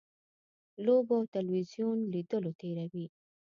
لوبو او تلویزیون لیدلو تېروي.